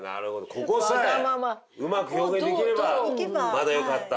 ここさえうまく表現できればまだ良かった。